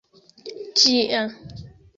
ĝia